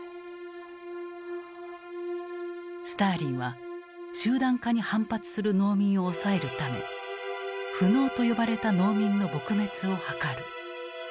スターリンは集団化に反発する農民を抑えるため「富農」と呼ばれた農民の撲滅を図る。